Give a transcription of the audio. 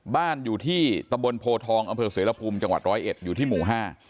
บ้านอยู่ที่ตะบลโพทองอำเภิกษ์เสรียรภูมิจังหวัด๑๐๑อยู่ที่หมู่๕